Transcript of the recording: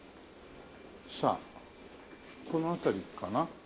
さあこの辺りかな？